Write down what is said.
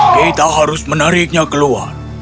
kita harus menariknya keluar